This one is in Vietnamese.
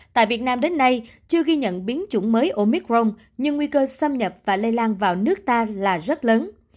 tại việt nam đến nay chưa ghi nhận biến chủng mới omicron nhưng nguy cơ xâm nhập và lây lan vào nước ta là rất lớn